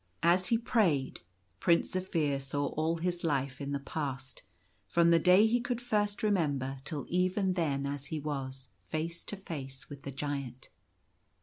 As he prayed, Prince Zaphir saw all his life in the past, from the day he could first remember till even then as he was, face to face with the Giant.